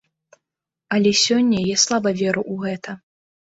Але сёння я слаба веру ў гэта.